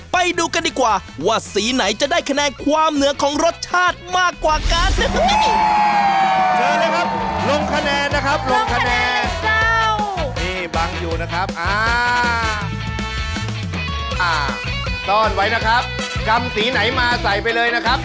ไปดูกันดีกว่าว่าสีไหนจะได้คะแนนความเหนือของรสชาติมากกว่ากัน